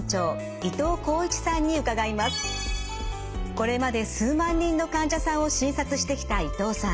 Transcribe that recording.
これまで数万人の患者さんを診察してきた伊藤さん。